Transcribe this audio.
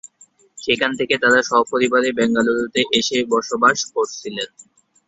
সেখান থেকে তারা সপরিবারে বেঙ্গালুরুতে এসে বসবাস করছিলেন।